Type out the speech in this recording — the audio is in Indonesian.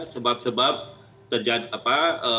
sebab sebab terjadi apa